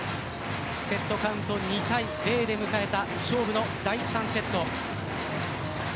セットカウント２−０で迎えた勝負の第３セット。